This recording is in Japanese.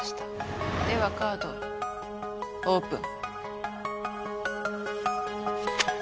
ではカードオープン。